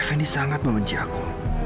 dr effendi sangat membenci aku